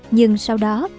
nhưng sau đó